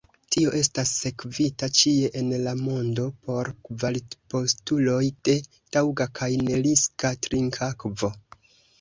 Tio estas sekvita ĉie en la mondo por kvalitpostuloj de taŭga kaj neriska trinkakvo.